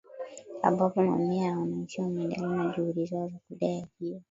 ambapo mamia ya wananchi wameendelea na juhudi zao za kudai ajira